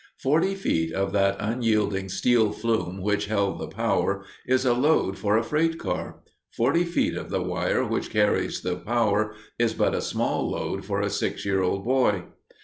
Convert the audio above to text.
Forty feet of that unyielding steel flume which held the power is a load for a freight car; forty feet of the wire which carries the power is but a small load for a six year old boy.